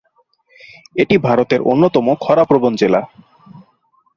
এটি ভারতের অন্যতম খরা প্রবণ জেলা।